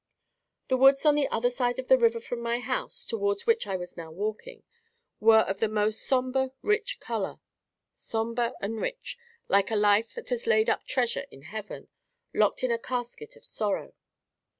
The woods on the other side of the river from my house, towards which I was now walking, were of the most sombre rich colour—sombre and rich, like a life that has laid up treasure in heaven, locked in a casket of sorrow.